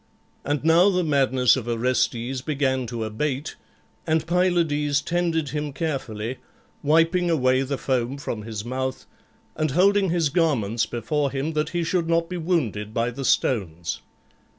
And now the madness of Orestes began to abate, and Pylades tended him carefully, wiping away the foam from his mouth and holding his garments before him that he should not be wounded by the stones.